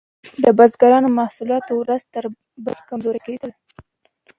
د بزګرانو محصولات ورځ تر بلې کمزوري کیدل.